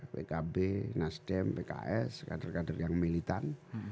pkb nasdem pks kader kader yang militan